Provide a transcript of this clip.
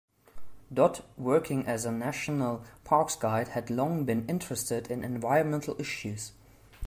Dodd, working as a national parks guide, had long been interested in environmental issues.